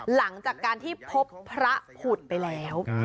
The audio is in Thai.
หลังจากการที่พบพระผุดไปแล้ว